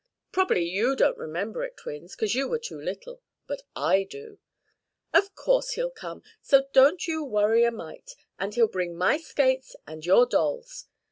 Prob'bly you don't remember it, twins, 'cause you were too little, but I do. Of course he'll come, so don't you worry a mite. And he'll bring my skates and your dolls.